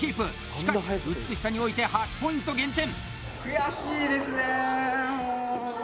しかし、美しさにおいて８ポイント減点。